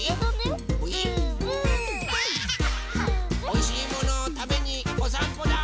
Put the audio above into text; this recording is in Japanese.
おいしいものをたべにおさんぽだ。